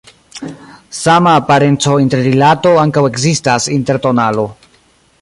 Sama parenco-interrilato ankaŭ ekzistas inter tonalo.